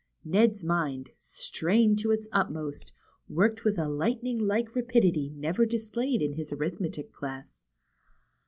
" Ned's mind, strained to its utmost, worked with a lightning like rapidity never displayed in the arithmetic class.